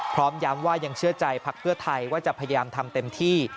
พร้อมย้ำว่ายังเชื่อใจพักเพื่อไทยว่าจะพยายามทำเต็มที่